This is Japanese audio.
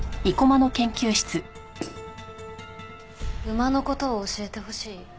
馬の事を教えてほしい？